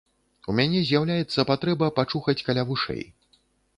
У мяне з'яўляецца патрэба пачухаць каля вушэй.